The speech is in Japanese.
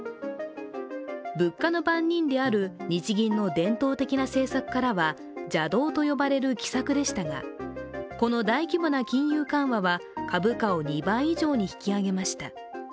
物価の番人である日銀の伝統的な政策からは邪道と呼ばれる奇策でしたが、この大規模な金融緩和は株価を２倍以上に引き上げました。